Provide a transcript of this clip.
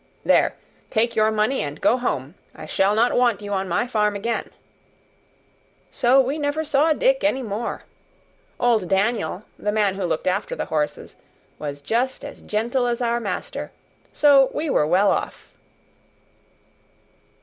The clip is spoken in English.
There take your money and go home; I shall not want you on my farm again." So we never saw Dick any more. Old Daniel, the man who looked after the horses, was just as gentle as our master, so we were well off.